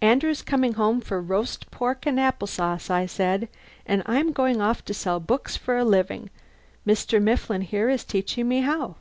"Andrew's coming home for roast pork and apple sauce," I said, "and I'm going off to sell books for a living. Mr. Mifflin here is teaching me how.